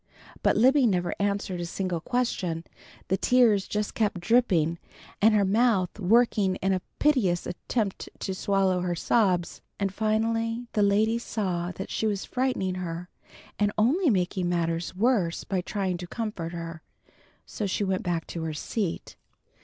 But Libby never answered a single question. The tears just kept dripping and her mouth working in a piteous attempt to swallow her sobs, and finally the lady saw that she was frightening her, and only making matters worse by trying to comfort her, so she went back to her seat.